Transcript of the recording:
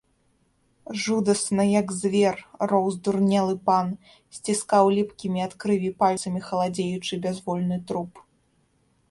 Жудасна, як звер, роў здурнелы пан, сціскаў ліпкімі ад крыві пальцамі халадзеючы бязвольны труп.